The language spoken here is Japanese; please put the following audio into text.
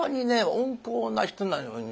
温厚な人なのにね